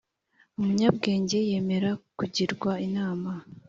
umunyabwenge yemera kugirwa inama